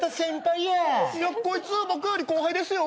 いやこいつ僕より後輩ですよ。